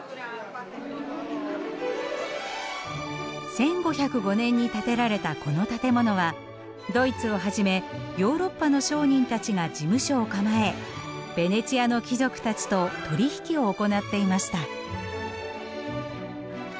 １５０５年に建てられたこの建物はドイツをはじめヨーロッパの商人たちが事務所を構えベネチアの貴族たちと取り引きを行っていました。